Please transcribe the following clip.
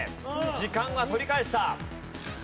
時間は取り返した。